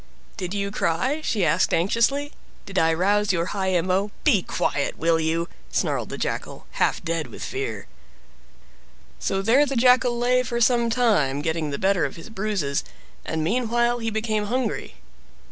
"Did you cry?" she asked anxiously. "Did I rouse your high emo—" "Be quiet, will you!" snarled the Jackal; half dead with fear!" So there the Jackal lay for some time, getting the better of his bruises, and meanwhile he became hungry.